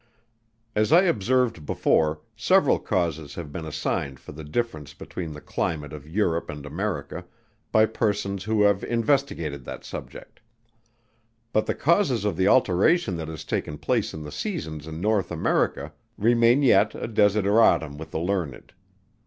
As I observed before, several causes have been assigned for the difference between the climate of Europe and America, by persons who have investigated that subject. But the causes of the alteration that has taken place in the seasons in North America, remain yet a desideratum with the learned.